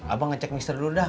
abang ngecek mr dulu dah